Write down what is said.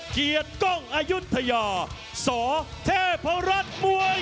เกียรติกองอายุทธยาสวทพรรดมวยไทย